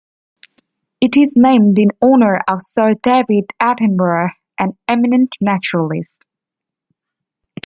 It is named in honour of Sir David Attenborough, an eminent naturalist.